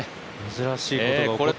珍しいことが起こったんですね。